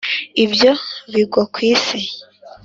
ibyo bigwa ku isi?